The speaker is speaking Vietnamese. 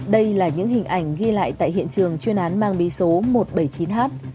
đây là những hình ảnh ghi lại tại hiện trường chuyên án mang bí số một trăm bảy mươi chín h